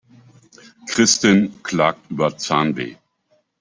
Christin klagt über Zahnweh.